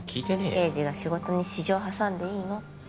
刑事が仕事に私情挟んでいいの？